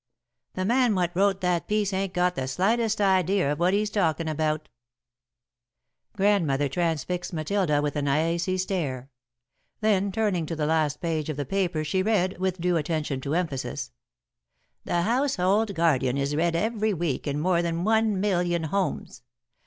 '" "The man what wrote that piece ain't got the slightest idea of what he's talkin' about." Grandmother transfixed Matilda with an icy stare. Then, turning to the last page of the paper, she read, with due attention to emphasis: "'The Household Guardian is read every week in more than one million homes.